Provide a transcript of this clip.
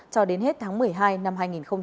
cho đến hết tháng một mươi hai năm hai nghìn hai mươi